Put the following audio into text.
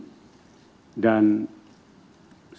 kita akan mencari penyelenggaraan yang lebih baik